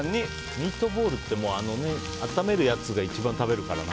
ミートボールって温めるやつが一番食べるからな。